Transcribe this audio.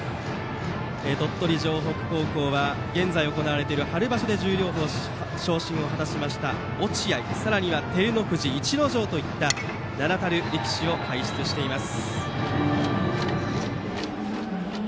鳥取城北高校は現在、行われている春場所で十両へ昇進を果たした落合、さらには照ノ富士逸ノ城といった名だたる力士を輩出しています。